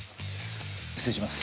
失礼します。